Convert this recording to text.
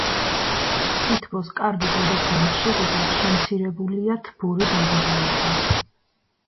სითბოს კარგი გადაცემის შედეგად შემცირებულია თბური დაძაბულობა.